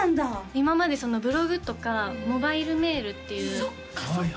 今までブログとかモバイルメールっていうそっかそっか